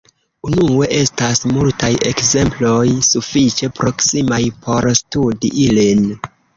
Unue, estas multaj ekzemploj sufiĉe proksimaj por studi ilin.